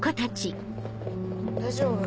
大丈夫？